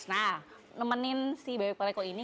nah nemenin si bebek paleko ini